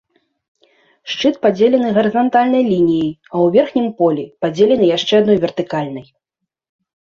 Шчыт падзелены гарызантальнай лініяй, а ў верхнім полі падзелены яшчэ адной вертыкальнай.